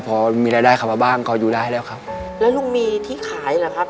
พอมีรายได้เข้ามาบ้างก็อยู่ได้แล้วครับแล้วลุงมีที่ขายเหรอครับ